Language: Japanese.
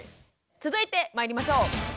続いてまいりましょう。